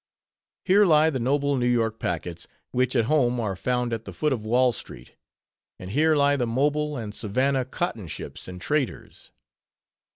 Here lie the noble New York packets, which at home are found at the foot of Wall street; and here lie the Mobile and Savannah cotton ships and traders.